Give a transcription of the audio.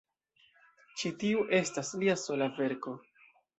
Ĉi tiu estas lia sola verko.